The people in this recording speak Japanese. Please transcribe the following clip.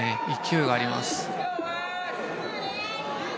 勢いがあります。